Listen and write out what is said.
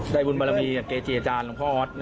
ได้บุญบารมีเกเจอาจารย์หลวงพ่อออส